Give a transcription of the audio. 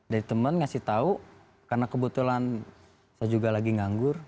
dari teman ngasih tahu karena kebetulan saya juga lagi nganggur